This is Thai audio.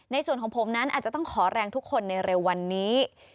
ในส่วนของผมนั้นอาจจะต้องขอแรงทุกคนในเร็ววันนี้